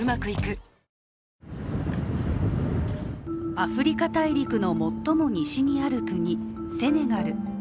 アフリカ大陸の最も西にある国、セネガル。